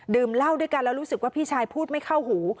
เหล้าด้วยกันแล้วรู้สึกว่าพี่ชายพูดไม่เข้าหู